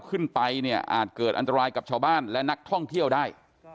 ขึ้นไปเนี่ยอาจเกิดอันตรายกับชาวบ้านและนักท่องเที่ยวได้